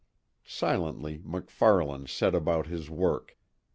Silently MacFarlane set about his work.